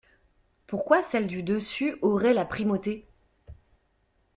Pourquoi celle du dessus aurait la primauté?